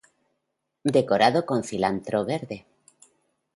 Decorado con cilantro verde.